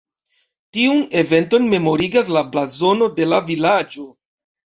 Tiun eventon memorigas la blazono de la vilaĝo.